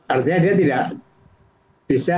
artinya dia tidak bisa